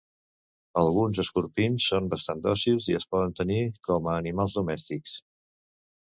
Alguns escorpins són bastant dòcils i es poden tenir com a animals domèstics.